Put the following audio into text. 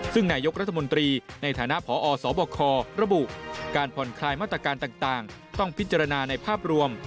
ซึ่งนายกรัฐมนตรีในฐานะพอสบคระบุการผ่อนคลายมาตรการต่างต้องพิจารณาในภาพรวม